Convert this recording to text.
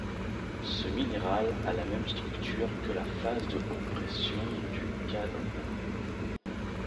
Ce minéral a la même structure que la phase de haute pression du CaIrO.